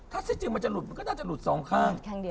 ถ้าสิทธิวันจะหลุดก็จะหลุดสองข้าง